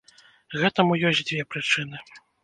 Гэтаму ёсць дзве прычыны.